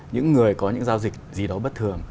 những người có những giao dịch gì đó bất thường